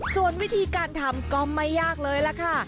ส่วนวิธีการทำก็ไม่ยากเลยล่ะค่ะ